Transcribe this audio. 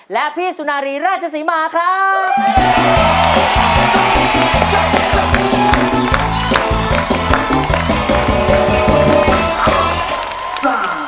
และพี่สุนารีราชศรีมาครับ